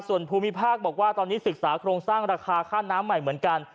ส่วนภูมิภาคบอกว่าตอนนี้ศึกษาโครงสร้างราคาค่าน้ำใหม่เหมือนกัน